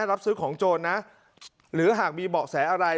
รับซื้อของโจรนะหรือหากมีเบาะแสอะไร